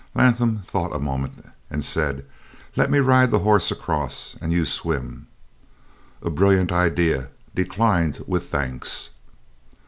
Latham thought a moment, and said: "Let me ride the horse across and you swim." "A brilliant idea, declined with thanks."